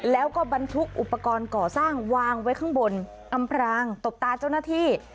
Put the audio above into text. แล้วก็บรรทุกอุปกรณ์ก่อสร้างวางไว้ข้างบนอำพรางตบตาเจ้าหน้าที่